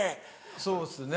そうっすね。